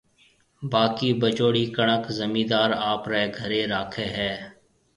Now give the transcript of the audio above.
باڪِي بچوڙِي ڪڻڪ زميندار آپريَ گهريَ راکَي هيَ۔